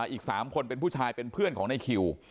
อีก๓คนเป็นผู้ชายเป็นเพื่อนของในคิว